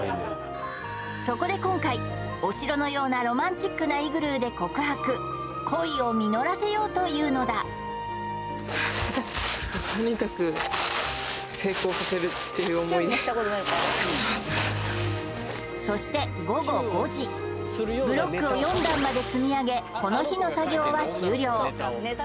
そこで今回お城のようなロマンチックなイグルーで告白恋を実らせようというのだそしてブロックを４段まで積み上げこの日の作業は終了